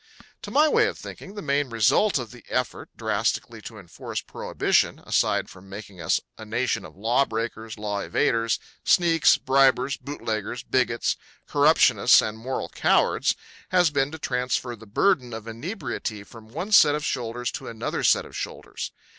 To my way of thinking, the main result of the effort drastically to enforce Prohibition, aside from making us a nation of law breakers, law evaders, sneaks, bribers, boot leggers, bigots, corruptionists and moral cowards, has been to transfer the burden of inebriety from one set of shoulders to another set of shoulders.